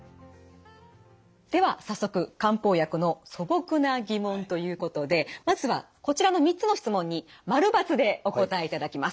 では早速漢方薬の素朴な疑問ということでまずはこちらの３つの質問に○×でお答えいただきます。